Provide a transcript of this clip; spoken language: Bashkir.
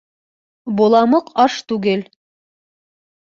Боламыҡ аш түгел.